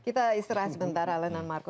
kita istirahat sebentar alen dan marco